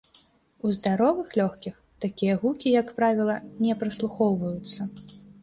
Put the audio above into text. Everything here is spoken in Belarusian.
У здаровых лёгкіх такія гукі, як правіла, не праслухоўваюцца.